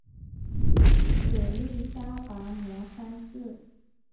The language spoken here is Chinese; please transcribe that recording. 曷利沙跋摩三世。